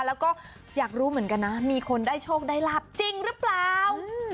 แล้วก็อยากรู้เหมือนกันนะมีคนได้โชคได้ลาบจริงหรือเปล่า